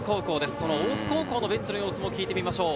その大津高校のベンチの様子を聞いてみましょう。